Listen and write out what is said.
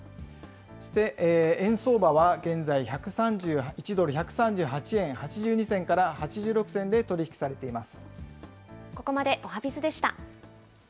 そして円相場は、現在１ドル、８２銭から８６銭で取り引きされています。